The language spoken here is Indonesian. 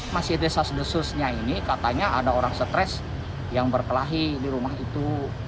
masih desas desusnya ini katanya ada orang stres yang berkelahi di rumah itu